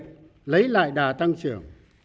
công nghiệp lấy lại đà tăng trưởng